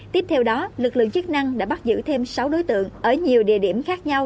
tiếp theo đó lực lượng chức năng đã bắt giữ thêm sáu đối tượng ở nhiều địa điểm khác nhau